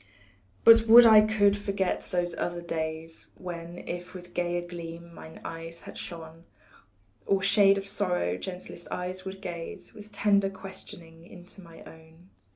But would I could forget those other days When if with gayer gleam mine eyes had shone, Or shade of sorrow, gentlest eyes would gaze With tender questioning into my own.